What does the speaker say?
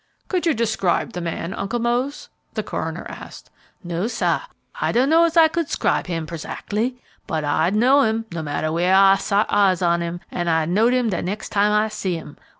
"Could you describe the man, Uncle Mose?" the coroner asked. "No, sah, I don' know as I could 'scribe 'im perzacly; but I'd know 'im, no matter where I sot eyes on 'im, and I know'd 'im the nex' time I see 'im.